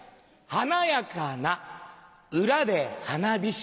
華やかな裏で花火師光る汗。